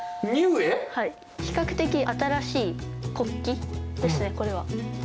比較的新しい国旗ですね、これは。